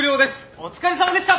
お疲れさまでした！